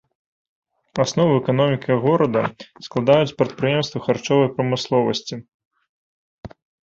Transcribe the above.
Аснову эканомікі горада складаюць прадпрыемствы харчовай прамысловасці.